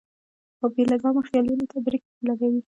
او بې لګامه خيالونو ته برېک لګوي -